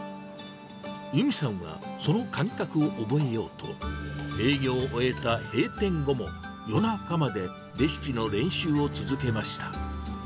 由美さんはその感覚を覚えようと、営業を終えた閉店後も、夜中までレシピの練習を続けました。